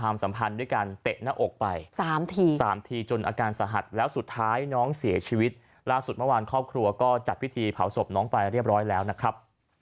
เมื่อวานครอบครัวก็จัดพิธีเผาศพน้องไปเรียบร้อยแล้วนะครับ